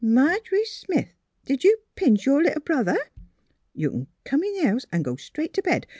^' Marg'ry Smith, did you pinch your little brother? You can come in the house an' go straight to bed.